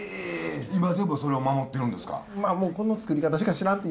今でもそれを守ってるんですか？